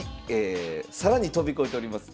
更に飛び越えております。